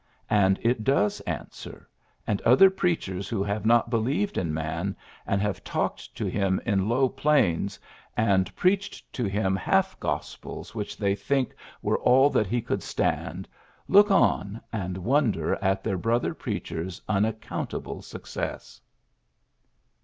And it does answer ; and other preachers who have not believed in man, and have talked to him in low planes, and preached to him 56 PHILLIPS BEOOKS half gospels which they think were all that he could stand, look on, and wonder at their brother preacher's unaccount able success.''